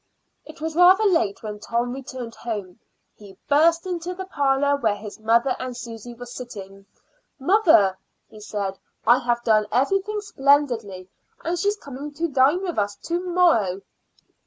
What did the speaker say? It was rather late when Tom returned home. He burst into the parlor where his mother and Susy were sitting. "Mother," he said, "I have done everything splendidly; and she's coming to dine with us to morrow."